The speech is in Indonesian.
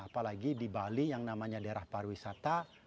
jadi kita beli yang namanya daerah pariwisata